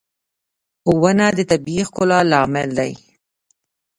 • ونه د طبيعي ښکلا لامل دی.